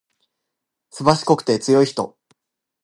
すばしこくて強いこと。